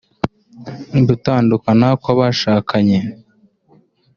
gutandukana kw’abashakanye